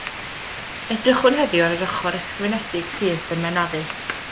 Edrychwn heddiw ar yr ochr ysgrifenedig theatr mewn addysg